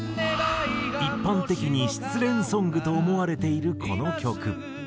一般的に失恋ソングと思われているこの曲。